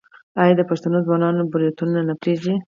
آیا د پښتنو ځوانان بروتونه نه پریږدي؟